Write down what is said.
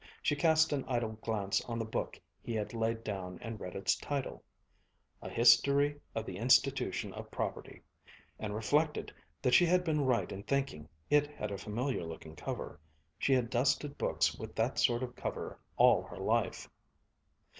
She cast an idle glance on the book he had laid down and read its title, "A History of the Institution of Property," and reflected that she had been right in thinking it had a familiar looking cover. She had dusted books with that sort of cover all her life.